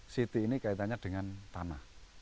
city ini kaitannya dengan tanah